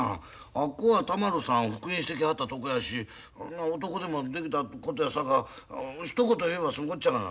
あっこは田丸さん復員してきはったとこやし男手も出来たことやさかいひと言言えば済むこっちゃがな。